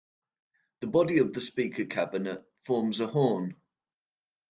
The body of the speaker cabinet forms a horn.